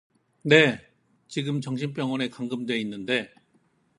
"네. 지금 정신 병원에 감금돼 있는데